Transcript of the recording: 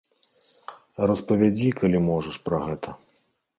Распавядзі, калі можаш, пра гэта.